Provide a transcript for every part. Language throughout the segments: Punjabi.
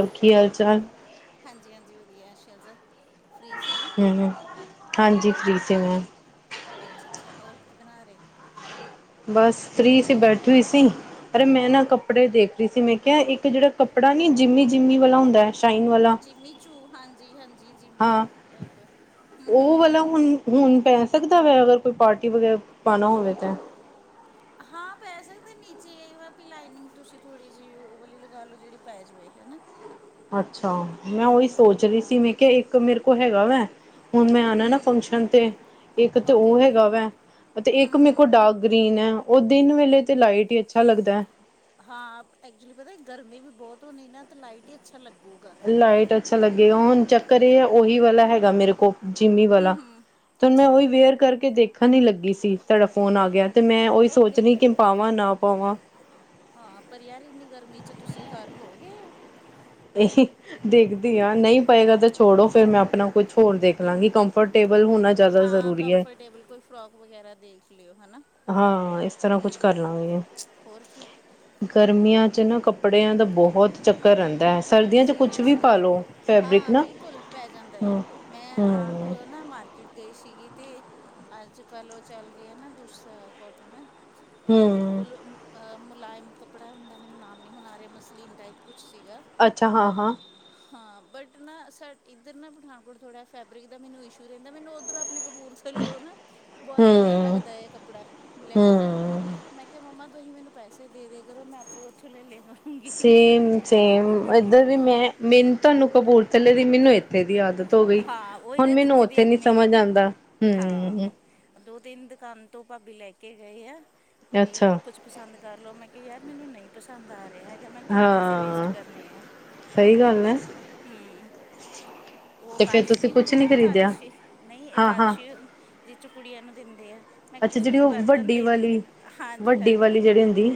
ਹੋਰ ਕੀ ਹਾਲ ਚਾਲ ਹਾਂਜੀ ਹਾਂਜੀ ਵਧੀਆ ਸ਼ਹਿਜ਼ਾ ਫ੍ਰੀ ਸੀ ਹਾਂਜੀ ਫ੍ਰੀ ਸੀ ਮੈਂ ਅੱਛਾ ਅੱਛਾ ਹੋਰ ਕੀ ਬਣਾ ਰਹੇ ਬਸ ਫ੍ਰੀ ਸੀ ਬੈਠੀ ਹੋਈ ਸੀ ਅਰੇ ਮੈਂ ਨਾ ਕੱਪੜੇ ਦੇਖ ਰਹੀ ਸੀ, ਮੈਂ ਕਿਹਾ ਇੱਕ ਜਿਹੜਾ ਕੱਪੜਾ ਨੀ ਜਿਂਮੀ ਜਿਂਮੀ ਵਾਲਾ ਹੁੰਦਾ ਹੈ ਸ਼ਾਈਨ ਵਾਲਾ ਜਿਮੀਚੂ ਹਾਂਜੀ ਹਾਂਜੀ ਹਾਂ ਜਿਮੀਚੂ ਟਾਈਪ ਹੂ ਹੂ ਉਹ ਹੂ ਵਾਲਾ ਹੁਣ ਹੁਣ ਪੈ ਸਕਦਾ ਵੈ, ਅਗਰ ਕੋਈ ਪਾਰਟੀ ਵਗੈਰਾ ਪਾਉਣਾ ਹੋਵੇ ਤਾਂ ਹਾਂ ਪੈ ਸਕਦੇ ਨੀਚੇ ਇਹ ਵਾ ਵੀ ਲਾਈਨਿੰਗ ਤੁਸੀਂ ਥੋੜ੍ਹੀ ਜਿਹੀ ਉਹ ਵਾਲੀ ਲਗਾ ਲਓ ਜਿਹੜੀ ਪੈ ਜਾਵੇ ਹੈਨਾ ਅੱਛਾ ਮੈਂ ਉਹੀ ਸੋਚ ਰਹੀ ਸੀ, ਹਾਂ ਮੈਂ ਕਿਹਾ ਇੱਕ ਮੇਰੇ ਕੋਲ ਹੈਗਾ ਵੈ ਹੁਣ ਮੈਂ ਆਉਣਾ ਹੂੰ ਨਾ ਹੂੰ ਫੰਕਸ਼ਨ ਤੇ, ਇੱਕ ਤੇ ਓਕੇ ਉਹ ਓਕੇ ਹੈਗਾ ਵਾ ਅਤੇ ਹੂੰ ਇੱਕ ਮੇਰੇ ਕੋਲ ਹੂੰ ਡਾਰਕ ਗ੍ਰੀਨ ਹੈ, ਉਹ ਦਿਨ ਵੇਲੇ ਤੇ ਲਾਈਟ ਹੀ ਅੱਛਾ ਲੱਗਦਾ ਹੈ ਹਾਂ ਐਕਚੁਲੀ ਪਤਾ ਗਰਮੀਂ ਵੀ ਬਹੁਤ ਹੁੰਣੀ ਨਾ ਤੇ ਲਾਈਟ ਹੀ ਅੱਛਾ ਲੱਗੂਗਾ ਲਾਈਟ ਅੱਛਾ ਲੱਗੇਗਾ, ਹੁਣ ਚੱਕਰ ਇਹ ਹੈ ਉਹੀ ਵਾਲਾ ਹੈਗਾ ਮੇਰੇ ਕੋਲ ਜਿਮੀ ਹੂੰ ਵਾਲਾ, ਹੂੰ ਤੇ ਮੈਂ ਉਹੀ ਅੱਛਾ ਵੇਅਰ ਕਰਕੇ ਦੇਖਣ ਹੀ ਲੱਗੀ ਸੀ ਤੁਹਾਡਾ ਫੋਨ ਆ ਗਿਆ ਤੇ ਮੈਂ ਉਹੀ ਓਕੇ ਸੋਚਣੀ ਓਕੇ ਕਿ ਪਾਵਾਂ ਨਾ ਪਾਵਾਂ ਹਾਂ, ਪਰ ਯਾਰ ਇੰਨੀ ਗਰਮੀ ਚ ਤੁਸੀਂ ਪਹਿਣ ਲਓਗੇ ਇਹੀ ਦੇਖਦੀ ਹਾਂ ਨਹੀਂ ਪਏਗਾ ਤਾਂ ਛੋੜੋ ਫੇਰ ਮੈਂ ਆਪਣਾ ਕੁੱਛ ਹੋਰ ਦੇਖ ਲਾਂਗੀ ਕੰਫਰਟੇਬਲ ਹੋਣਾ ਜ਼ਿਆਦਾ ਹਾਂ ਜ਼ਰੂਰੀ ਹੈ ਕੰਫਰਟੇਬਲ ਕੋਈ ਫਰੋਕ ਵਗੈਰਾ ਦੇਖ ਲਿਓ ਹਨਾ ਹਾਂ ਇਸ ਤਰ੍ਹਾਂ ਕੁੱਛ ਕਰ ਲਾਂਗੇ ਹੋਰ ਕੀ ਗਰਮੀਂਆਂ 'ਚੱ ਨਾ ਕੱਪੜਿਆਂ ਦਾ ਬਹੁਤ ਚੱਕਰ ਰਹਿੰਦਾ ਹੈ, ਸਰਦੀਆਂ ' ਕੁਛ ਵੀ ਸੀਰੀਅਸਲੀ ਪਾ ਲਉ ਫੈਬਰਿਕ ਹਾਂ ਨਾ ਬਿਲਕੁਲ ਪੈ ਜਾਂਦਾ ਹੈ ਹਾਂ ਮੈਂ ਆਪ ਨਾ ਮਾਰਕੀਟ ਮਾਰਕੀਟ ਗਈ ਸੀਗੀ, ਤੇ ਅੱਜ ਕੱਲ੍ਹ ਉਹ ਚੱਲ ਰਿਹਾ ਨਾ ਦੂਸਰਾ ਕੋਟਨ ਹਮ ਬਿਲਕੁੱਲ ਮੁਲਾਇਮ ਕੱਪੜਾ ਹੁੰਦਾ ਮੈਨੂੰ ਨਾਮ ਨਹੀਂ ਹੁਣ ਆ ਰਿਹਾ ਮਸਲੀਨ ਟਾਈਪ ਕੁੱਛ ਸੀਗਾ ਅੱਛਾ ਹਾਂ ਹਾਂ ਹਾਂ ਬਟ ਨਾ ਸ ਇੱਧਰ ਨਾ ਪਠਾਨਕੋਟ ਥੋੜ੍ਹਾ ਫੈਬਰਿਕ ਦਾ ਮੈਨੂੰ ਇਸ਼ੂ ਰਹਿੰਦਾ, ਮੈਨੂੰ ਉੱਧਰੋਂ ਆਪ ਆਪਣੇ ਕਪੂਰ ਥੱਲਿਓ ਨਾ, ਬਹੁਤ ਵਧੀਆ ਹਮ ਲੱਗਦਾ ਹੈ ਕੱਪੜਾ ਲੈਣਾ ਹੂੰ ਮੈਂ ਕਿਹਾ ਮੰਮਾ ਤੁਸੀਂ ਮੈਨੂੰ ਪੈਸੇ ਦੇ ਦਿਆ ਕਰੋ ਮੈਂ ਆਪੇ ਉੱਥੋਂ ਲੈ ਲਿਆਂ ਕਰਾਂ ਸੇਮ ਸੇਮ ਇੱਧਰ ਵੀ ਮੈਂ ਮੈਨੂੰ ਤੁਹਾਨੂੰ ਕਪੂਰਥਲੇ ਦੀ, ਮੈਨੂੰ ਇੱਥੇ ਦੀ ਆਦਤ ਆਦਤ ਹੋ ਗਈ, ਹਾਂ ਉਹੀ ਹੁਣ ਨਾ ਮੈਨੂੰ ਜਿੱਥੇ ਦੀ ਉੱਥੇ ਨੀ ਆਪਣੀ ਸਮਂਝ ਆਉਂਦਾ ਹਾਂ ਹੂ ਦੋ ਤਿੰਨ ਦੁਕਾਨ ਤੋਂ ਭਾਬੀ ਲੈ ਕੇ ਜਾਈ ਆ, ਤੇ ਅੱਛਾ ਕੁੱਛ ਪਸੰਦ ਕਰ ਲਓ ਮੈਂ ਕਿਹਾ ਯਾਰ ਮੈਨੂੰ ਨਹੀਂ ਪਸੰਦ ਆ ਜੇ ਹੈਗਾ ਮੈਂ ਕਿਉਂ ਪੈਸੇ ਵੇਸਟ ਹਾਂ ਕਰਨੇ ਆ ਸਹੀ ਗੱਲ ਹੈ ਹੂ ਉਹ ਤੇ ਫੇਰ ਕਾਸ਼ ਤੁਸੀਂ ਦੀ ਕੁਛ ਹੁੰਦੀ ਨੀ ਨਾ ਖਰੀਦਿਆ ਇਕਾਦਸ਼ੀ ਨਹੀਂ ਹਾਂ ਹਾਂ ਇਕਾਦਸ਼ੀ ਜਿਚੋ ਕੁੜੀਆਂ ਨੂੰ ਦਿੰਦੇ ਆ ਮੈਂ ਕਿਹਾ ਅੱਛਾ ਤੁਸੀਂ ਜਿਹੜੀ ਮੈਨੂੰ ਉਹ ਬਰਤਨ ਵੱਡੀ ਦੇ ਦਿਓ ਵਾਲੀ ਹਾਂਜੀ ਵੱਡੀ ਵਾਲੀ ਹਾਂਜੀ ਜਿਹੜੀ ਹੁੰਦੀ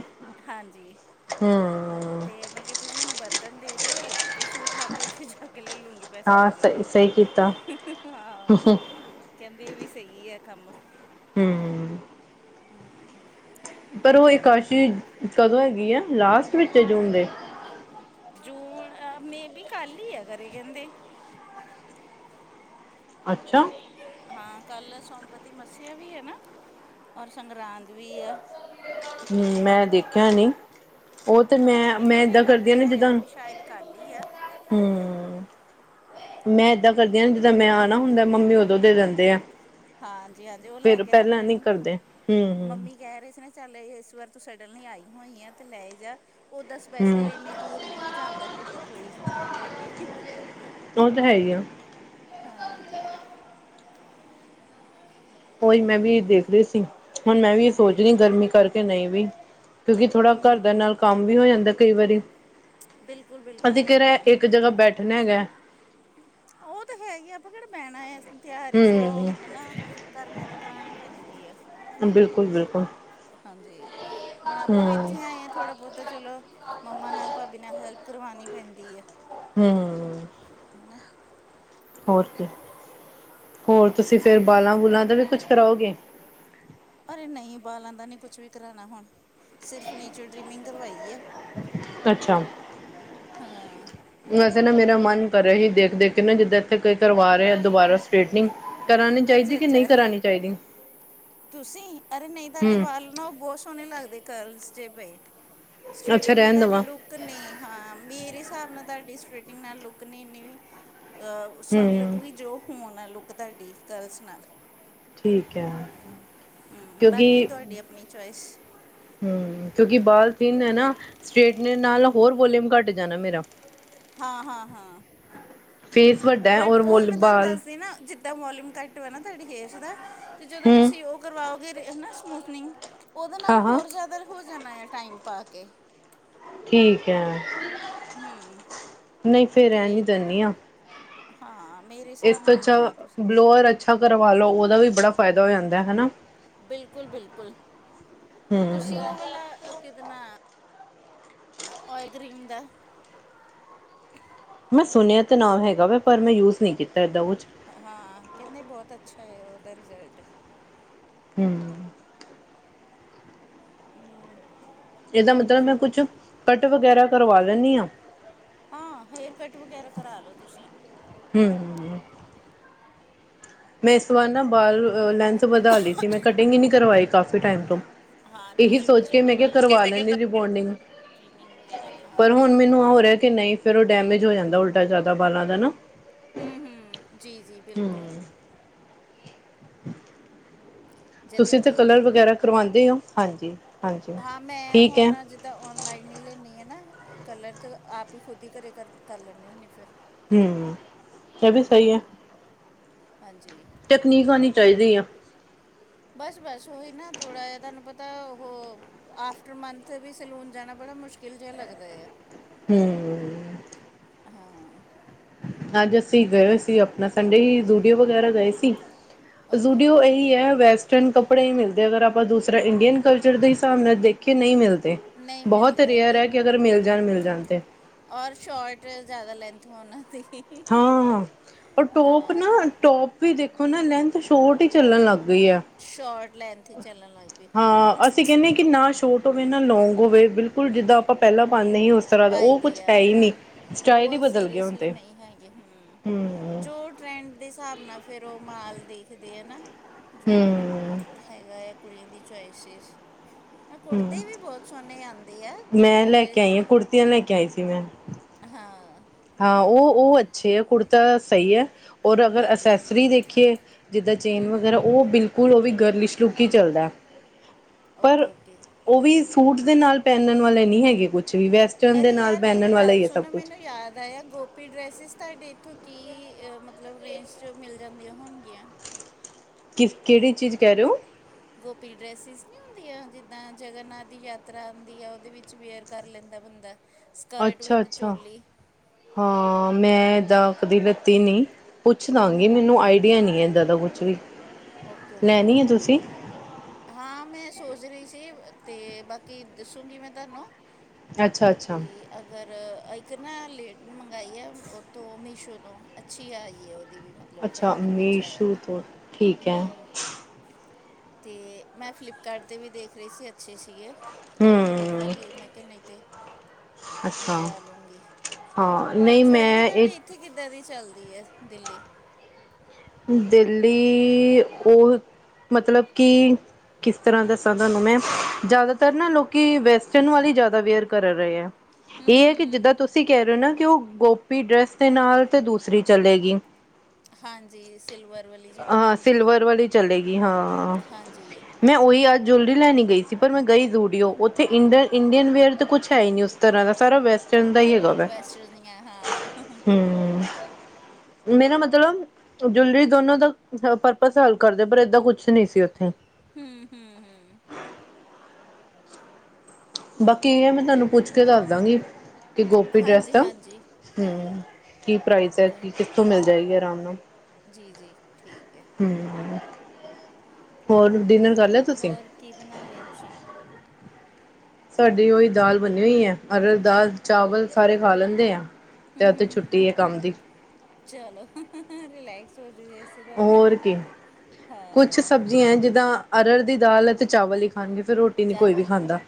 ਹਾਂਜੀ ਹੂੰ ਤੇ ਮੈਂ ਕਿਹਾ ਤੁਸੀਂ ਮੈਨੂੰ ਬਰਤਨ ਦੇ ਦਿਓ ਤੇ ਸੂਟ ਮੈਂ ਆਪੇ ਉੱਥੇ ਜਾ ਕੇ ਲੈ ਲੂੰਗੀ ਪੈਸੇ ਹਾਂ ਦੇ ਫਿਲ ਸਹੀ ਹਾਲ ਸਹੀ ਕੀਤਾ ਆਹ ਕਹਿੰਦੀ ਵੀ ਸੀ ਗੀ ਆ ਕੰਮ ਹੂ ਹੂ ਹਮ ਪਰ ਉਹ ਇੱਕ ਆਸ਼ੀ ਕਦੋਂ ਹੈਗੀ ਆ ਲਾਸਟ ਵਿੱਚ ਏ ਜੂਨ ਦੇ ਜੂਨ ਮੇ ਬੀ ਖਾਲੀ ਏ ਗਰੇ ਕਹਿੰਦੇ ਅੱਛਾ ਹਾਂ ਕੱਲ ਸੌਂਪਤੀ ਮੱਸਿਆ ਵੀ ਹੈ ਨਾ ਔਰ ਸੰਗਰਾਂਦ ਵੀ ਆ ਹੂ ਮੈਂ ਦੇਖਿਆ ਨੀ ਉਹ ਤੇ ਹਾਂ ਮੈਂ ਮੈਂ ਮੈਨੂੰ ਵੀ ਏਦਾਂ ਕਰਦੀ ਆ ਲੱਗਦਾ ਜਿੱਦਾਂ ਵੀ ਸ਼ਾਇਦ ਕੱਲ ਹੀ ਆ ਹੂ ਮੈਂ ਏਦਾਂ ਕਰਦੀ ਹਾਂ ਜਿੱਦਾਂ ਮੈਂ ਆਣਾ ਹੁੰਦਾ ਮੰਮੀ ਉਦੋਂ ਦੇ ਦਿੰਦੇ ਆ ਖਾਜੀ ਹਾਂਜੀ ਉਹ ਲੈ ਫੇਰ ਕੇ ਰੱਖ ਪਹਿਲਾਂ ਨੀ ਲੈਂਣ ਕਰਦੇ ਹੂੰ ਹੂੰ ਮੰਮੀ ਕਹਿ ਰਹੇ ਸੀ ਨਾ ਚੱਲ ਇਸ ਵਾਰ ਤੂੰ ਸਡਨ ਲਈ ਆਈ ਹੋਈ ਆ ਤੇ ਲੈ ਈ ਜਾ ਓਦਾ ਸਪੈਸ਼ਲ ਹੂੰ ਇੰਨੀ ਦੂਰ ਨਹੀਂ ਜਾਂਦਾ ਹੈਗਾ ਕੋਈ ਲੈ ਕੇ ਉਹ ਤਾਂ ਹੈ ਈ ਐ ਹਾਂਜੀ ਉਈ ਮੈਂ ਵੀ ਦੇਖ ਰਹੀ ਸੀ ਹੁਣ ਮੈਂ ਵੀ ਇਹ ਸੋਚ ਹਮ ਰਹੀ ਗਰਮੀ ਕਰਕੇ ਨਹੀਂ ਵੀ ਕਿਉਂਕਿ ਥੋੜਾ ਹਮ ਘਰਦਿਆਂ ਹਮ ਨਾਲ ਕੰਮ ਵੀ ਹੋ ਜਾਂਦਾ ਕਈ ਵਾਰੀ ਬਿਲਕੁਲ ਬਿਲਕੁਲ ਅਤੀ ਕਿਹੜਾ ਹਾਂ ਇੱਕ ਜਗ੍ਹਾ ਬੈਠਣੇ ਹੈਗਾ ਉਹ ਤੇ ਹੈ ਈ ਐ ਆਪਾਂ ਕਿਹੜਾ ਬਹਿਣਾ ਆ ਤਿਆਰੀ ਸੋ ਹੂੰ ਮਨਾ ਘਰਦੀਆਂ ਨਾਲ ਕਰਾਉਣੀ ਪੈਂਦੀ ਹੈ ਬਿਲਕੁਲ ਬਿਲਕੁਲ ਹਾਂਜੀ ਹੁਣ ਆਪਾਂ ਵੀ ਹੂੰ ਥੇਏ ਆਏ ਹਾਂ ਥੋੜ੍ਹਾ ਬਹੁਤਾ ਚਲੋ ਮੰਮਾ ਨਾਲ ਭਾਬੀ ਨਾਲ ਹੈਲਪ ਕਰਵਾਉਣੀ ਪੈਂਦੀ ਐ ਹੂ ਹੈ ਨਾ ਹੋਰ ਕੀ ਹੋਰ ਤੁਸੀਂ ਫੇਰ ਹਾਂਜੀ ਬਾਲਾਂ ਬੂਲਾਂ ਦਾ ਵੀ ਕੁਛ ਕਰਾਓਗੇ ਅਰੇ ਨਹੀਂ ਬਾਲਾਂ ਦਾ ਨੀ ਕੁਛ ਵੀ ਕਰਾਣਾ ਹੁਣ ਸਿਰਫ ਨੀਚਰ ਟ੍ਰਿਮਿੰਗ ਕਰਵਾਈ ਐ ਅੱਛਾ ਹਾਂ ਵੈਸੇ ਨਾ ਮੇਰਾ ਮਨ ਕਰ ਰਿਹਾ ਈ ਦੇਖ ਦੇਖ ਕੇ ਨਾ ਜਿੱਦਾਂ ਇੱਥੇ ਕੋਈ ਕਰਵਾ ਰਿਹਾ ਦੁਬਾਰਾ ਸਟੇਟਿੰਗ ਕਰਾਨੀ ਚਾਹੀਦੀ ਅੱਛਾ ਈ ਕਿ ਨਹੀਂ ਅੱਛਾ ਕਰਾਨੀ ਚਾਹੀਦੀ ਈ ਤੁਸੀਂ ਅਰੇ ਨਹੀਂ ਤਾਡੇ ਬਾਲ ਨਾ ਉਹ ਬਹੁਤ ਸੋਹਣੇ ਲੱਗਦੇ ਕਰਲਸ ਪਏ ਅੱਛਾ ਸਟ੍ਰੀਟਿੰਗ ਨਾਲ ਰਹਿਣ ਤਾਡੀ ਦੇਵਾਂ ਲੂਕ ਤਾ ਨੀ ਹਾਂ ਮੇਰੇ ਹਿਸਾਬ ਨਾਲ ਤਾਡੀ ਸਟਿੰਗ ਮੇਮ ਲੁੱਕ ਨਹੀਂ ਇੰਨੀ ਵੀ ਆਹ ਸੋਹਣੀ ਹੂੰ ਲੱਗੁਗੀ ਜੋ ਹੁਣ ਐ ਲੁੱਕ ਤਾਡੀ ਕਰਲਸ ਨਾਲ ਠੀਕ ਐ ਹੂ ਬਾਕੀ ਤੁਹਾਡੀ ਆਪਣੀ ਚੁਆਇਸ ਹੂ ਕਿਉਂਕਿ ਬਾਲ ਪਿਨ ਐ ਨਾ ਸਟੇਟ ਨਾਲ ਹੋਰ ਵੋਲੀਮ ਘੱਟ ਜਾਣਾ ਮੇਰਾ ਹਾਂ ਹਾਂ ਹਾਂ ਫੀ ਫੁਅਡ ਬਟ ਉਹੀ ਮੈਂ ਤਾ ਨੂੰ ਦੱਸਦੀ ਨਾ ਜਿੱਦਾਂ ਵੋਲਿਮ ਘੱਟ ਹੋਵੇ ਨਾ ਤੁਹਾਡੀ ਫੇਸ ਦਾ ਤੇ ਜਦੋਂ ਹੂੰ ਤੁਸੀਂ ਉਹ ਕਰਵਾਓਗੇ ਨਾ ਹਨਾ ਸਮੂਥਨਿੰਗ, ਉਹਦੇ ਨਾਲ ਹਾਂ ਹਾਂ ਹੋਰ ਜ਼ਿਆਦਾ ਹੋ ਜਾਣਾ ਆ ਟਾਈਮ ਪਾ ਕੇ। ਠੀਕ ਐ, ਹਮ ਨਹੀਂ ਫੇਰ ਰਹਿਣ ਹੀ ਤੇ ਦਿੰਨੀ ਆ। ਹਾਂ। ਮੇਰੇ ਇਸ ਹਿਸਾਬ ਤੋਂ ਨਾਲ ਅੱਛਾ ਨਹੀਂ ਤੁਸੀਂ ਬਲੋਰ ਅੱਛਾ ਕਰਵਾ ਲਓ ਉਹਦਾ ਵੀ ਬੜਾ ਫਾਇਦਾ ਹੋ ਜਾਂਦਾ ਹਨਾ। ਬਿਲਕੁਲ-ਬਿਲਕੁਲ, ਹੂੰ ਤੁਸੀਂ ਉਹ ਵਾਲਾ ਕਿਹਦੇ ਨਾਲ ਓਇਲ ਕਰ੍ਰੀਮ ਦਾ ਮੈਂ ਸੁਣਿਆ ਤਾਂ ਨਾ ਹੈਗਾ ਵਾ ਪਰ ਮੈਂ ਯੂਜ ਨਹੀਂ ਕੀਤਾ ਏਦਾਂ ਕੁਛ। ਹਾਂ ਕਹਿੰਦੇ ਬਹੁਤ ਅੱਛਾ ਹੈ ਉਹਦਾ ਰਿਜ਼ਲਟ। ਹੂੰ ਹੂੰ ਇਹਦਾ ਮਤਲਬ ਮੈਂ ਕੁਛ, ਕੱਟ ਵਗੈਰਾ ਕਰਵਾ ਲੈਂਨੀ ਆ। ਹਾਂ ਹੇਅਰਕੱਟ ਵਗੈਰਾ ਕਰਾ ਲੋ ਤੁਸੀਂ। ਹੂੰ ਮੈਂ ਇਸ ਵਾਰ ਨਾ ਬਾਲ ਲੈਂਥ ਵਧਾ ਲਈ ਸੀ ਮੈਂ ਕਟਿੰਗ ਈ ਨੀ ਕਰਵਾਈ ਕਾਫੀ ਟਾਈਮ ਤੋਂ। ਹਾਂ ਏਹੀ ਨੀਚੇ ਸੋਚ ਨੀਚੇ ਕੇ ਮੈਂ ਕਿਆ ਲਓ ਕਰਵਾ ਨਾ ਲੈਂਨੀ ਰਬੋਂਡਿੰਗ, ਸਟ੍ਰੀਮਿੰਗ ਵਗੈਰਾ ਹਾਂ ਪਰ ਹੁਣ ਮੈਨੂੰ ਆ ਹੋ ਰਿਹਾ ਕਿ ਨਹੀਂ ਫੇਰ ਉਹ ਡੈਮੇਜ ਹੋ ਜਾਂਦਾ ਉਲਟਾ ਜਾਦਾ ਬਾਲਾਂ ਦਾ ਨਾ। ਹੂੰ-ਹੂੰ ਜੀ-ਜੀ ਬਿਲਕੁਲ। ਹਮ ਜਤਿਨ ਤੁਸੀਂ ਤੇ ਭਈਆ ਕਲਰ ਠੀਕ ਨੇ ਵਗੈਰਾ ਕਰਵਾਂਦੇ ਓ ਹਾਂਜੀ। ਹਾਂਜੀ ਹਾਂ ਮੈਂ ਠੀਕ ਹੈ ਹੁਣ ਆਜ ਤਾਂ ਔਨਲਾਈਨ ਈ ਲੈਂਨੀ ਆ ਨਾ ਕਲਰ ਤੇ ਆਪ ਈ ਖੁਦ ਹੀ ਘਰੇ ਕਰ, ਕਰ ਲੈਂਨੀ ਹੁੰਨੀ ਫੇਰ। ਹੂੰ ਇਹ ਵੀ ਸਈ ਏ। ਹਾਂਜੀ। ਟਕਨੀਕ ਹੋਣੀ ਚਾਈਦੀ ਆ। ਬਸ-ਬਸ ਉਹੀ ਨਾ ਥੋੜਾ ਜਿਹਾ ਤਾਨੂੰ ਪਤਾ ੳਹੋ ਆਫਟਰ ਮੰਥ ਵੀ ਸੈਲੂਨ ਜਾਣਾ ਬੜਾ ਮੁਸ਼ਕਿਲ ਜਿਆ ਲੱਗਦਾ ਆ। ਹੂੰ। ਹਾਂ। ਅੱਜ ਅਸੀਂ ਗਏ ਹੋਏ ਸੀ ਆਪਣਾ ਸੰਡੇ ਹੀ ਦੂਡੀਓ ਵਗੈਰਾ ਗਏ ਸੀ। ਓਕੇ ਜੂਡੀਓ ਓਕੇ ਏਹੀ ਏ ਵੈਸ ਚੰਨ ਕੱਪੜੇ ਈ ਮਿਲਦੇ ਅਗਰ ਅਪਾਂ ਦੂਸਰੇ ਇੰਡੀਅਨ ਕਲਚਰ ਦੇ ਹਿਸਾਬ ਨਾਲ ਦੇਖ ਕੇ ਨਈ ਮਿਲਦੇ। ਨਹੀਂ ਬਹੁਤ ਮਿਲਦੇ ਰੇਅਰ ਹੈਗੇ ਏ ਕਿ ਅਗਰ ਮਿਲ ਜਾਣ ਮਿਲ ਜਾਣ ਤੇ। ਔਰ ਸ਼ੋਰਟ ਜ਼ਿਆਦਾ ਲੈਂਥ ਵਾ ਨਾ ਉਹਦੀ। ਹਾਂ-ਹਾਂ ਉਹ ਟੋਪ ਨਾ ਟੋਪ ਵੀ ਦੇਖੋ ਨਾ ਲੈਂਥ ਸ਼ੋਰਟ ਈ ਚੱਲਣ ਲੱਗ ਗਈ ਏ। ਸ਼ੋਰਟ ਲੈਂਥ ਹੀ ਚੱਲਣ ਲੱਗ ਪਈ ਹਾਂ ਅਸੀਂ ਕਹਿੰਨੇ ਕਿ ਨਾ ਛੋਟ ਟ ਹੋਵੇ ਨਾ ਲੌਂਗ ਹੋਵੇ ਬਿਲਕੁਲ ਜਿੱਦਾ ਆਪਾਂ ਪੇਲਾਂ ਪਾਨੇ ਈ ਉਸ ਤਰਾ ਦਾ ਪਾਈ ਉਹ ਕੁਛ ਦੇ ਆ ਹੈ ਈ ਹਾਂ ਨੀ ਸਟਾਈਲ ਈ ਬਦਲ ਗਏ ਹੁਣ ਤੇ। ਹੂੰ, ਹੂੰ ਜੋ ਟਰੈਂਡ ਦੇ ਹਿਸਾਬ ਨਾਲ ਫੇਰ ਉਹ ਮਾਲ ਦੇਖਦੇ ਏ ਨਾ। ਜੋ, ਹੂੰ ਹੈਗਾ ਏ ਕੁੜੀਆਂ ਦੀ ਚੁਆਇਸਿਸ। ਏ ਹੂੰ ਕੁੜਤੇ ਵੀ ਬੋਤ ਸੋਣੇ ਆਂਦੇ ਆ। ਮੈਂ ਲੈ ਕੁੜਤੇ ਕੇ ਆਈ ਆ ਕੁੜਤੀਆਂ ਲੈ ਕੇ ਆਈ ਸੀ ਮੈਂ। ਹਾਂ। ਹਾਂ ਉਹ ਉਹ ਅੱਛੇ ਆ ਕੁੜਤਾ ਸਈ ਏ ਔਰ ਅਗਰ ਹਾਂਜੀ ਅਸੈਸਰੀ ਦੇਖੀਏ ਜਿੱਦਾਂ ਚੇਨ ਹਮ ਵਗੈਰਾ ਹਮ ਉਹ ਬਿਲਕੁਲ ਉਹ ਵੀ ਗਰਲਿਸ਼ ਲੁਕ ਈ ਚੱਲਦਾ। ਓਕੇ-ਓਕੇ। ਉ ਵੀ ਸੂਟ ਦੇ ਨਾਲ ਪੇਨਣ ਵਾਲੇ ਨੀ ਹੈਗੇ ਕੁਛ ਵੀ ਵੈਸੇ ਅਰੇ ਯਾਰ ਮੇਰੀ ਗੱਲ ਸੁਣੋ ਮੈਨੂੰ ਯਾਦ ਆਏਆ ਗੋ ਫੇਰ ਡ੍ਰੈਸਿੰਸ ਤਾਡੇ ਏਥੋਂ ਕੀ ਅ ਮਤਲਬ ਰੇਂਜ 'ਚ ਮਿਲ ਜਾਂਦੀਆ ਹੋਨਗੀਆਂ ਕਿ ਕੇੜੀ ਚੀਜ਼ ਕਹ ਰਐ ੳ [unintelligible] ਗੋਪੀ ਡ੍ਰੈੱਸਸਿ ਨੀ ਹੁੰਦੀਆਂ ਜਿੱਦਾਂ ਜਗਨਨਾਥ ਦੀ ਯਾਤਰਾ ਹੁੰਦੀ ਆ ਉਦੇ ਵਿੱਚ ਵੇਅਰ ਕਰ ਲੈਂਦਾ ਬੰਦਾ ਸਕਰਟ ਵਿਦ ਅੱਛਾ-ਅੱਛਾ ਚੋਲੀ ਹਾਂ ਮੈਂ ਏਦਾ ਕਦੀ ਲਿਤੀ ਨੀ ਪੁੱਛ ਹੂੰ ਦਾਂਗੀ ਹੂੰ ਮੈਨੂੰ ਆਈਡੀਆ ਨੀ ਏਦਾਂ ਦਾ ਕੁਛ ਵੀ ਓਕੇ-ਓਕੇ ਲੈਣੀ ਹੈ ਤੁਸੀਂ ਹਾਂ ਮੈਂ ਸੋਚ ਰਈ ਸੀ ਤੇ ਬਾਕੀ ਦੱਸੂੰਗੀ ਮੈਂ ਤਾਨੂੰ ਅੱਛਾ-ਅੱਛਾ। ਅਗਰ ਇੱਕ ਨਾ ਲਿਡ ਮੰਗਾਈ ਏ ਉਥੋ ਮੀਸ਼ੋ ਤੋਂ ਅੱਛੀ ਆਈ ਏ ਉਦੀ ਵੀ ਮਤਲਬ ਅੱਛਾ ਫੈਬਰਿਕ ਅੱਛਾ ਆ ਮੀਸ਼ੂ ਤੋਂ ਠੀਕ ਏ ਹੂੰ ਤੇ ਮੈਂ ਫਲਿਪਕਾਰਟ ਵੀ ਦੇਖ ਰਈ ਸੀ ਅੱਛੇ ਸੀਗੇ ਤੇ ਬਾਕੀ ਹੂੰ, ਦੇਖਾਂਗੀ ਮੈਂ ਕੇਆ ਨਈ ਤੇ ਅੱਛਾ ਮੰਗਵਾ ਲੂੰਗੀ ਹਾਂ ਅਰੇ ਨਹੀਂ ਜਵੈਲਰੀ ਮੈਂ ਤਾਡੀ ਇਹ ਉਥੇ ਕਿੱਥੇ ਕਿੱਦਾਂ ਦੀ ਚੱਲਦੀ ਏ ਦਿੱਲੀ ਦਿੱਲੀ ਉਹ ਮਤਲਬ ਕਿ ਕਿਸ ਤਰ੍ਹਾਂ ਦੱਸਾਂ ਤੁਹਾਨੂੰ ਮੈਂ ਜ਼ਿਆਦਾਤਰ ਨਾ ਲੋਕੀ ਵੈਸਟਰਨ ਵਾਲੀ ਹੀ ਜ਼ਿਆਦਾ ਵੇਅਰ ਕਰ ਰਹੇ ਆ ਹੂੰ ਇਹ ਏ ਕਿ ਜਿੱਦਾਂ ਹੂੰ ਤੁਸੀਂ ਕਹਿ ਰਹੇ ਔ ਨਾ ਕਿ ਉਹ ਗੋਪੀ ਡ੍ਰੈਸ ਦੇ ਨਾਲ ਤੇ ਦੂਸਰੀ ਚਲੇਗੀ ਹਾਂਜੀ ਸਿਲਵਰ ਵਾਲੀ ਜਿਹੜੀ ਆ ਹੁੰਦੀ ਹੈ ਸਿਲਵਰ ਵਾਲੀ ਚਲੇਗੀ ਹਾਂ ਹਾਂਜੀ ਮੈਂ ਉਹੀ ਅੱਜ ਜਿਊਲਰੀ ਲੈਣੀ ਗਈ ਸੀ ਪਰ ਮੈਂ ਗਈ ਜ਼ੂਡੀਓ ਉੱਥੇ ਇੰਡਨ ਇੰਡੀਅਨ ਵੇਅਰ ਤਾਂ ਕੁਛ ਹੈ ਈ ਨਹੀਂ ਉਸ ਤਰ੍ਹਾਂ ਦਾ ਸਾਰਾ ਵੈਸਟਰਨ ਦਾ ਹੀ ਹੈਗਾ ਵੇ ਵੈਸਟਰਨ ਹੈ ਹਾਂ ਹੂੰ ਹੰ ਮੇਰਾ ਮਤਲਬ ਜਿਊਲਰੀ ਦੋਨੋ ਦਾ ਪਰਪਸ ਹੱਲ ਕਰਦੇ ਪਰ ਏਦਾਂ ਕੁਛ ਨਹੀਂ ਸੀ ਉੱਥੇ ਹੰ ਹੰ ਹੰ ਬਾਕੀ ਇਹ ਏ ਮੈਂ ਤੁਹਾਨੂੰ ਪੁੱਛ ਕੇ ਦੱਸ ਦਾਂਗੀ ਕਿ ਗੋਪੀ ਡ੍ਰੈੱਸ ਹਾਂਜੀ ਦਾ ਹਾਂਜੀ ਹਾਂ ਕੀ ਪ੍ਰਾਈਜ਼ ਹੈ ਕੀ ਕਿਥੋਂ ਮਿਲ ਜਾਏਗੀ ਆਰਾਮ ਨਾਲ ਜੀ-ਜੀ ਠੀਕ ਏ ਹੰ ਹੋਰ ਡਿਨਰ ਕਰ ਲਿਆ ਤੁਸੀਂ ਹੋਰ ਕੀ ਬਨਾ ਲਿਆ ਤੁਸੀਂ ਸਾਡੀ ਉਹੀ ਦਾਲ ਬਨੀ ਹੋਈ ਐ ਅਰਹਰ ਦਾਲ ਚਾਵਲ ਸਾਰੇ ਖਾ ਲੈਂਦੇ ਆ ਤੇ ਅਜ ਤੇ ਛੁੱਟੀ ਏ ਕੰਮ ਦੀ ਚਲੋ ਰੀਲੇੈਕਸ ਹੋ ਜੋ ਹੋਰ ਕੀ ਕੁਛ ਸਬਜ਼ੀਆਂ ਵਧੀਆ ਏ ਜਿੱਦਾਂ ਅਰਹਰ ਦੀ ਦਾਲ ਤੇ' ਚਾਵਲ ਹੀ ਖਾਨਗੇ ਫਿਰ ਰੋਟੀ ਨੀ ਕੋਈ ਵੀ ਚਾਵਲ ਖਾਂਦਾ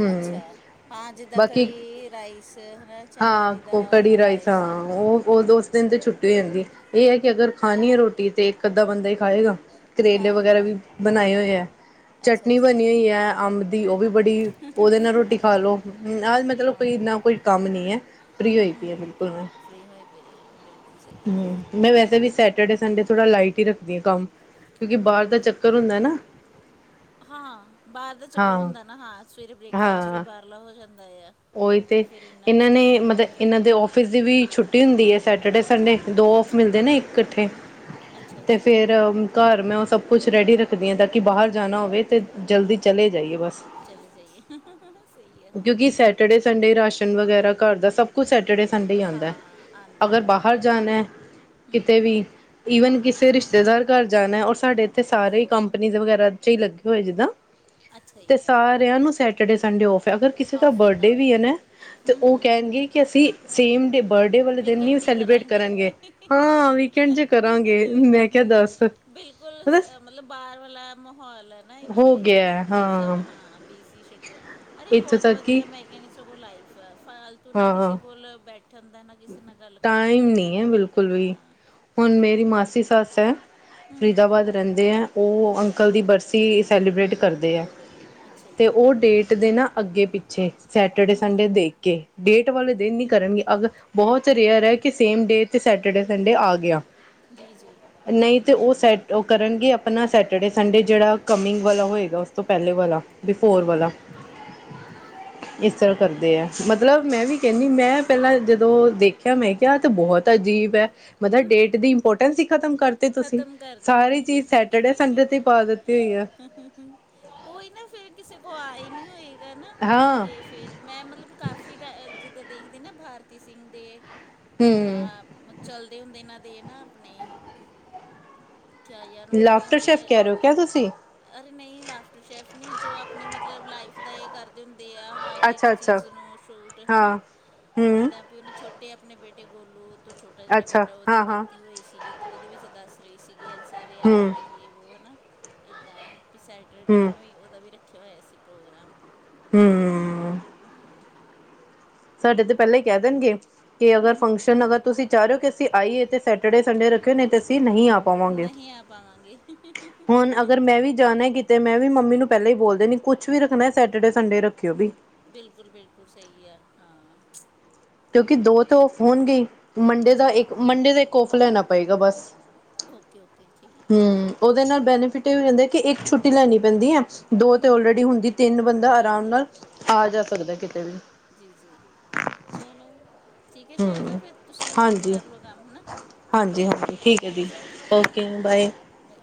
ਹਮ ਅੱਛਾ ਹਾਂ ਜਿਦਾ ਬਾਕੀ ਕੜੀ ਰਾਈਸ ਹੈ ਚਨੇਆਂ ਦੀ ਦਾਲ ਰਾਈਸ ਉਹ-ਉਹ ਦੋਸਤ ਹਮ ਦਿਨ ਤੇ ਛੁੱਟੀ ਹੋ ਜਾਂਦੀ ਇਹ ਹੈ ਕਿ ਅਗਰ ਖਾਨੀ ਹੈ ਰੋਟੀ ਤੇ ਇੱਕ ਅੱਧਾ ਬੰਦਾ ਹੀ ਖਾਏਗਾ ਕਰੇਲੇ ਹਾਂ ਵਗੈਰਾ ਹਾਂ ਵੀ ਬਨਾਏ ਹੋਏ ਏ ਅੱਛਾ ਚਟਨੀ ਅੱਛਾ ਬਨੀ ਹੋਈ ਏ ਅੰਬ ਦੀ ਉਹ ਵੀ ਬੜੀ ਉਹਦੇ ਨਾਲ ਰੋਟੀ ਖਾ ਲਓ ਨਾਲ ਮਤਲਬ ਕੋਈ ਨਾ ਕੋਈ ਕੰਮ ਨਹੀਂ ਏ ਫਰੀ ਹੋਈ ਪਈ ਏ ਹਮ ਬਿਲਕੁਲ ਫ੍ਰਰੀ ਹੋਏ ਪਏ ਆ ਬਿਲਕੁਲ ਸਹੀ ਹੈ ਹੰ ਮੈਂ ਵੈਸੇ ਵੀ ਸੈਟਰਡੇ ਸੰਡੇ ਥੋੜਾ ਲਾਈਟ ਹੀ ਰੱਖਦੀ ਆ ਕੰਮ ਕਿਉਂਕਿ ਬਾਹਰ ਦਾ ਚੱਕਰ ਹੁੰਦਾ ਏ ਨਾ ਹਾਂ ਬਾਹਰ ਦਾ ਚੱਕਰ ਹਾਂ ਹੁੰਦਾ ਏ ਨਾ ਹਾਂ ਸਵੇਰੇ ਬ੍ਰੇਕਫਾਸਟ ਵੀ ਬਾਹਰਲਾ ਹੋ ਜਾਂਦਾ ਏ ਆ ਓਹੀ ਤੇ ਅਤੇ ਫਿਰ ਇਹਨਾਂ ਨੇ ਮਤਲਬ ਹਾਂ ਇਹਨਾਂ ਦੇ ਔਫਿਸ ਦੀ ਵੀ ਛੁੱਟੀ ਹੁੰਦੀ ਐ ਸੈਟਰਡੇ ਸੰਡੇ ਦੋ ਔਫ ਮਿਲਦੇ ਨੇ ਇੱਕ ਇਕੱਠੇ ਤੇ ਅੱਛਾ-ਅੱਛਾ ਫੇਰ ਘਰ ਮੈਂ ਉਹ ਸਭ ਕੁਛ ਰੈਡੀ ਰੱਖਦੀ ਆ ਤਾਂ ਕਿ ਬਾਹਰ ਜਾਣਾ ਹੋਵੇ ਤਾਂ ਜਲਦੀ ਚਲੇ ਜਾਈਏ ਬਸ ਚਲੇ ਜਾਈਏ ਸਈ ਆ ਕਿੜੇ ਸੰਡੇ ਰਾਸ਼ਨ ਵਗੈਰਾ ਘਰ ਦਾ ਸਭ ਕੁਛ ਸੈਟਰਡੇ ਸੰਡੇ ਈ ਹੁੰਦਾ ਹਾਂ ਆਉਂਦਾ ਅਗਰ ਹੈ ਬਾਹਰ ਬਿਲਕੁਲ ਜਾਣਾ ਹਮ ਕਿਤੇ ਹਮ ਵੀ ਈਵਨ ਕਿਸੇ ਹਮ ਰਿਸ਼ਤੇਦਾਰ ਘਰ ਜਾਣਾ ਔਰ ਸਾਡੇ ਇੱਥੇ ਸਾਰੇ ਕੰਪਨੀ ਵਗੈਰਾ ਚ ਈ ਲੱਗੇ ਹੋਏ ਜਿੱਦਾਂ ਅੱਛਾ ਤੇ' ਜੀ ਸਾਰਿਆਂ ਨੂੰ ਸੈਟਰਡੇ ਸੰਡੇ ਔਫ ਐ ਅਗਰ ਕਿਸੇ ਦਾ ਔਫ ਬ ਹੁੰਦਾ ਵੀ ਐ ਨਾ ਤੇ ਹਮ ਉਹ ਹਮ ਕਹਿਣਗੇ ਕਿ ਅਸੀਂ ਸੇਮ ਡੇ ਬਰਡੇ ਵਾਲੇ ਦਿਨ ਨੀ ਵੀਕਐਂਡ ਹੀ ਸੈਲੀਬ੍ਰੇਟ ਕਰਨਗੇ ਕਰਾਂਗੇ ਹਾਂ ਵੀਕਐਂਡ ਚ ਕਰਾਂਗੇ ਮੈਂ ਕਿਹਾ ਦੱਸ ਬਿਲਕੁਲ ਮਤਲਬ ਬਾਰ ਵਾਲਾ ਮਾਹੌਲ ਐ ਨਾ ਹੋ ਇੱਥੇ ਗਿਆ ਹਾਂ ਸਭ ਹਾ ਬੀਜੀ ਅਰੇ ਇੱਥੋਂ ਬੋਤ ਤੱਕ ਕਿ ਵਧੀਆ ਮੈਂ ਕ' ਸਗੋਂ ਲਾਈਫ ਆ ਫਾਲਤੂ ਨਾ ਹਾਂ ਕਿਸੇ ਕੋਲ ਬੈ ਠੰਡ ਦਾ ਨਾ ਕਿਸੇ ਨਾਲ ਗੱਲ ਕਰਨ ਦਾ ਟਾਈਮ ਨੀ ਇੰਨਾ ਐ ਨਹੀਂ ਹੈਗਾ ਬਿਲਕੁਲ ਵੀ ਹਾਂ ਹੁਣ ਮੇਰੀ ਹੂੰ ਮਾਸੀ ਸੱਸ ਐ ਹੂੰ ਹੂੰ ਫਰੀਦਾਬਾਦ ਰਹਿੰਦੇ ਐ ਉਹ ਅੰਕਲ ਦੀ ਬਰਸੀ ਸੈਲੀਬ੍ਰੇਟ ਕਰਦੇ ਐ। ਅੱਛਾ ਤੇ ਜੀ ਉਹ ਡੇਟ ਦੇ ਨਾ ਅੱਗੇ ਪਿੱਛੇ ਸੈਟਰਡੇ ਹੂੰ ਸੰਡੇ ਹੂੰ ਦੇਖ ਕੇ' ਡੇਟ ਵਾਲੇ ਦਿਨ ਨੀ ਕਰਨਗੇ ਅਗਰ ਬਹੁਤ ਰੇਅਰ ਐ ਕਿ ਸੇਮ ਡੇ ਤੇ ਸੈਟਰਡੇ ਸੰਡੇ ਆ ਗਿਆ ਜੀ ਜੀ। ਨਹੀਂ ਤੇ ਉਹ ਸੈੱਟ ਉਹ ਕਰਨਗੇ ਆਪਣਾ ਸੈੱਟ ਜਿਹੜੇ ਸੰਡੇ ਜਿਹੜਾ ਕਮਿੰਗ ਵਾਲਾ ਹੋਏਗਾ, ਉਸ ਤੋਂ ਪਹਿਲੇ ਵਾਲਾ ਬਿਫੋਰ ਹਾਂ ਹਾਂ ਵਾਲਾ। ਇਸ ਤਰ੍ਹਾਂ ਕਰਦੇ ਐ, ਮਤਲਬ ਮੈਂ ਵੀ ਕਹਿਣੀ ਮੈਂ ਪਹਿਲਾਂ ਜਦੋਂ ਜਦੋਂ ਦੇਖਿਆ ਮੈਂ ਕਿਹਾ ਐ ਤੇ ਬਹੁਤ ਅਜੀਬ ਐ। ਮਤਲਬ ਡੇਟ ਦੀ ਇੰਪੋਰਟੈਂਸ ਈ ਖ਼ਤਮ ਕਰਤੀ ਓਕੇ। ਤੁਸੀਂ, ਖਤਮ ਕਰ ਸਾਰੀ ਦਿੱਤੀ ਚੀਜ਼ ਸੈਟਰਡੇ, ਸੰਡੇ ਤੇ ਪਾ ਦਿੱਤੀ ਹੋਈ ਆ। ਉਹੀ ਨਾ ਫੇਰ ਕਿਸੇ ਕੋਲ ਆਈ ਨੀ ਹੋਏਗਾ ਨਾ ਹਾਂ ਤੇ ਫਿਰ ਮੈਂ ਮਤਲਬ ਕਾਫ਼ੀ ਟ ਜਿੱਦਾਂ ਦੇਖਦੀ ਨਾ ਭਾਰਤੀ ਸਿੰਘ ਦੇ ਹਮ ਅ ਮਤਲਬ ਚਲਦੇ ਹੁੰਦੇ ਇਹਨਾਂ ਦੇ ਨਾ ਆਪਣੇ ਕਿਆ ਯਾਰ ਉਹਨੂੰ ਕਹਿੰਦੇ ਲਾਫਟਰ ਹੁੰਦੇ ਸ਼ੈਫ ਆ ਕਹਿ ਰਹੇ ਹੋ ਕਿਆ ਤੁਸੀਂ ਅਰੇ ਨਹੀਂ ਲਾਫਟਰ ਸ਼ੈੱਫ ਨਹੀਂ ਜੋ ਆਪਣੇ ਮਤਲਬ ਲਾਈਫ ਦਾ ਇਹ ਕਰਦੇ ਹੁੰਦੇ ਆ ਹਰ ਇੱਕ ਅੱਛਾ ਅੱਛਾ ਚੀਜ਼ ਨੂੰ ਛੂਟ ਹਨਾ, ਹਾਂ ਹਮ ਇੱਦਾਂ ਪੀ ਉਹਨੇ ਛੋਟ ਤੇ ਆਪਣੇ ਬੇਟੇ ਗੋਲੂ ਤੋਂ ਛੋਟਾ ਜਿਹੜਾ ਅੱਛਾ ਬੇਟਾ ਉਹਦੀ ਹਾਂ ਹਾਂ ਕੀਤੀ ਹੋਈ ਸੀਗੀ ਤੇ ਉਹਦੇ ਵਿੱਚ ਦੱਸ ਰੀ ਸੀਗੀ ਅ ਸਾਰੇ ਆਏ ਹਮ ਹੋਏ ਸੀੇ ਯੇ ਵੋ ਹਨਾ, ਇੱਦਾਂ ਪੀ ਸੈਟਰ ਨੇ ਹਮ ਇਹਨੂੰ ਉਹਦਾ ਵੀ ਰੱਖ ਰੱਖਿਆ ਹੋਇਆ ਸੀ ਪ੍ਰੋਗਰਾਮ। ਹੂੰ। ਸਾਡੇ ਤੇ ਪਹਿਲਾਂ ਈ ਕਹਿ ਦੇਣਗੇ ਕਿ ਹੂੰ ਅਗਰ ਹੂੰ ਫੰਕਸ਼ਨ ਅਗਰ ਤੁਸੀਂ ਚਾਹ ਰਹੇ ਔ ਕਿ ਅਸੀਂ ਆਈਏ ਤੇ ਸੈਟਰਡੇ ਸੰਡੇ ਰੱਖਿਓ ਨਹੀਂ ਤੇ ਅਸੀਂ ਨਹੀਂ ਆ ਪਾਵਾਂਗੇ। ਨਈ ਆ ਪਾਵਾਂਗੇ। ਹੁਣ ਅਗਰ ਮੈਂ ਵੀ ਜਾਣਾ ਕਿ ਤੇ ਮੈਂ ਵੀ ਮੰਮੀ ਨੂੰ ਪਹਿਲਾਂ ਹੀ ਬੋਲ ਦਿੰਨੀ ਕੁਛ ਵੀ ਰੱਖਣਾ ਏ ਸੈਟਰਡੇ ਸੰਡੇ ਰੱਖਿਓ ਵੀ ਬਿਲਕੁਲ ਬਿਲਕੁਲ ਸਈ ਐ। ਕਿਉਂਕਿ ਦੋ ਤੇ ਔਫ ਹੋਣਗੇ ਹੀ, ਮੰਡੇ ਦਾ ਜੀ ਇੱਕ ਮੰਡੇ ਦਾ ਇੱਕ ਔਫ ਲੈਣਾ ਪਏਗਾ ਬਸ। Okay okay. ਠੀਕ ਆ ਹੂੰ, ਉਹਦੇ ਨਾਲ ਬੈਨੀਫਿਟ ਇਹ ਹੋ ਜਾਂਦਾ ਕਿ, ਇੱਕ ਛੁੱਟੀ ਲੈਣੀ ਪੈਂਦੀ ਐ। ਦੋ ਤੇ ਓਲਰੇਡੀ ਹੁੰਦੀ, ਤਿੰਨ ਬੰਦਾ ਹੋ ਆਰਾਮ ਜਾਂਦੀ ਨਾਲ, ਆ ਜਾ ਸਕਦਾ ਕਿਤੇ ਵੀ। ਜੀ ਜੀ, ਚਲੋ ਠੀਕ ਐ ਹੂੰ ਸ਼ੈਲਜ਼ਾ ਫਿਰ, ਤੁਸੀਂ ਹਾਂਜੀ ਕਰ ਲਓ ਕੰਮ ਹਨਾ। ਹਾਂਜੀ ਹਾਂਜੀ ਠੀਕ ਏ ਜੀ, ਓਕੇ ਬਾਏ। ਮੈਂ